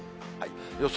予想